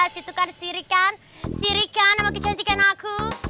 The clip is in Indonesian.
situ kan sirikan sirikan sama kecantikan aku